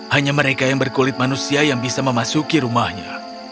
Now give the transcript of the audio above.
hanya mereka yang berkulit manusia yang bisa memasuki rumahnya